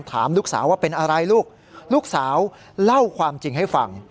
ถามลูกสาวว่าเป็นอะไรลูกลูกสาวเล่าความจริงให้ฟัง